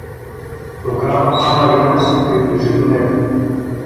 Тогава баба Яна се приближи до него.